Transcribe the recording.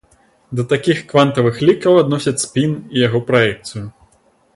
Да такіх квантавых лікаў адносяць спін і яго праекцыю.